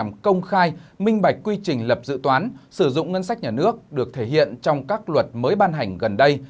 minh bạch quy trình lập dự toán sử dụng ngân sách nhà nước được thể hiện trong các luật mới ban hành gần đây